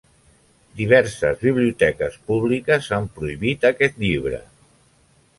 Diverses biblioteques públiques han prohibit aquest llibre.